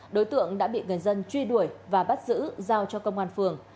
đối tượng đã bị người dân truy đuổi và bắt giữ giao cho công an phường